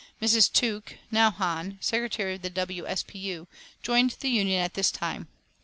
Mrs. Tuke, now Hon. Secretary of the W. S. P. U., joined the Union at this time.